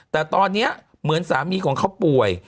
แต่ตอนนี้เหมือนสามีของเขาป่วย